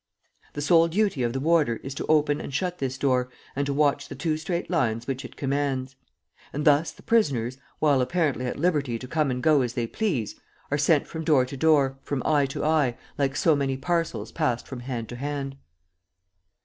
The sole duty of the warder is to open and shut this door and to watch the two straight lines which it commands. And thus the prisoners, while apparently at liberty to come and go as they please, are sent from door to door, from eye to eye, like so many parcels passed from hand to hand.